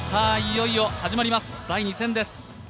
いよいよ始まります、第２戦です。